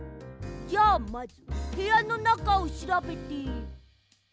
じゃあまずへやのなかをしらべて。